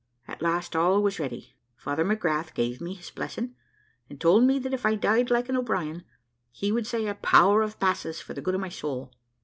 At last all was ready: Father McGrath gave me his blessing, and told me that if I died like an O'Brien, he would say a power of masses for the good of my soul.